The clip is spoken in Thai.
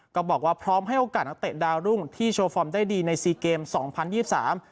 ก็บอกว่าพร้อมให้โอกาสนักเตะดาวรุ่งที่โชว์ฟอร์มได้ดีในซีเกมสองพันยี่สิบสาม